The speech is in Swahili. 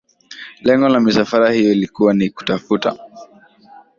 Lengo la misafara hiyo ilikuwa ni kutafuta